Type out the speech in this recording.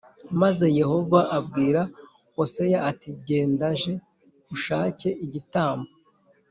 maze Yehova abwira Hoseya ati “gendaj ushake igitambo”